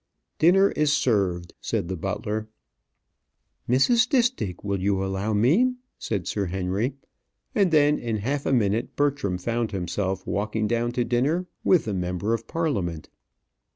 "Dinner is served," said the butler. "Mrs. Stistick, will you allow me?" said Sir Henry. And then in half a minute Bertram found himself walking down to dinner with the member of Parliament.